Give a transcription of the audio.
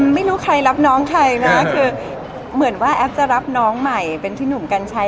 ไม่รู้ใครรับน้องใครนะคือเหมือนว่าแอฟจะรับน้องใหม่เป็นพี่หนุ่มกัญชัย